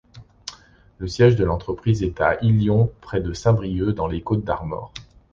Le siège de l'entreprise est à Hillion, près de Saint-Brieuc dans les Côtes-d'Armor.